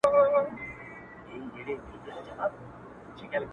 ویل ځه مخته دي ښه سلا مُلاجانه!